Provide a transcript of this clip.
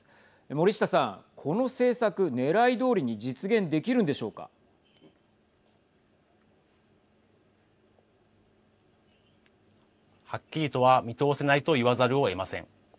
森下さん、この政策ねらいどおりにはっきりとは見通せないと言わざるをえません。